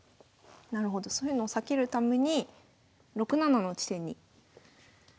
なるほどそういうのを避けるために６七の地点に利きを。